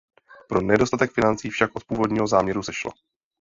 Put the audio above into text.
Pro nedostatek financí však od původního záměru sešlo.